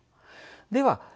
では